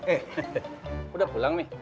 eh udah pulang nih